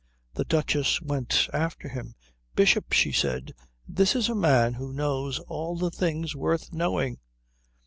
The Duchess went after him. "Bishop," she said, "this is a man who knows all the things worth knowing."